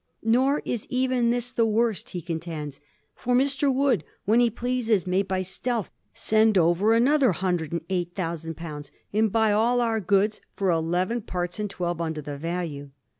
Nor is even this the worst, he contends, ' for Mr. Wood, when he pleases, may by stealth send over another hundred and eight thousand pounds and buy aU our goods for eleven parts in twelve under the value.'